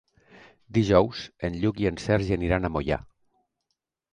Dijous en Lluc i en Sergi aniran a Moià.